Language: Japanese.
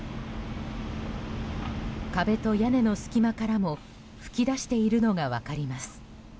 壁と屋根の隙間からも噴き出しているのが分かります。